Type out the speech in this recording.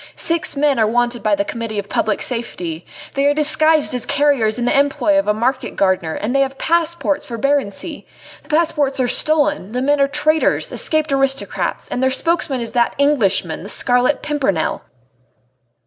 Six men are wanted by the Committee of Public Safety. They are disguised as carriers in the employ of a market gardener, and have passports for Barency!... The passports are stolen: the men are traitors escaped aristocrats and their spokesman is that d d Englishman, the Scarlet Pimpernel."